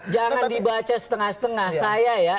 jangan dibaca setengah setengah saya ya